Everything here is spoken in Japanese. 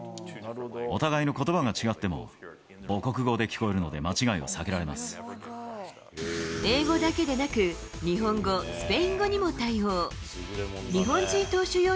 お互いのことばが違っても、母国語で聞こえるので、英語だけでなく、日本語、スペイン語にも対応。